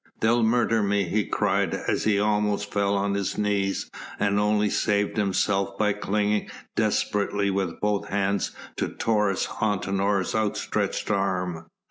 "They'll murder me," he cried, as he almost fell on his knees and only saved himself by clinging desperately with both hands to Taurus Antinor's outstretched arm.